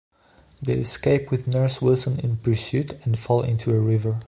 They escape with Nurse Wilson in pursuit, and fall into a river.